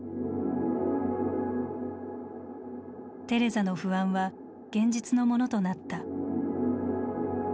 テレザの不安は現実のものとなった。